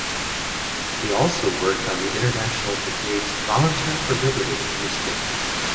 He also worked on the International Brigades "Volunteer for Liberty" newspaper.